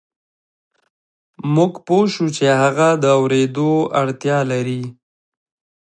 موږ پوه شوو چې هغه د اورېدو وړتیا لري